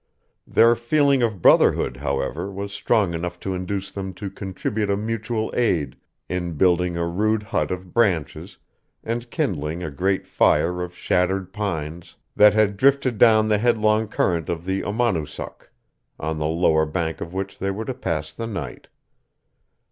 Their feeling of brotherhood, however, was strong enough to induce them to contribute a mutual aid in building a rude hut of branches, and kindling a great fire of shattered pines, that had drifted down the headlong current of the Amonoosuck, on the lower bank of which they were to pass the night.